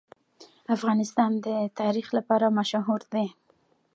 افغانستان د تاریخ لپاره مشهور دی.